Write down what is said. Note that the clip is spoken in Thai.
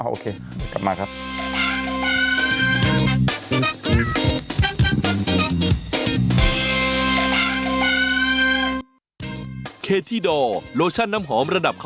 โอเคกลับมาครับ